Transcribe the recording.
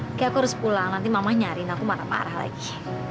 oke aku harus pulang nanti mama nyariin aku mana parah lagi